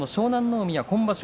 海、今場所